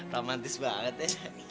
romantis banget ya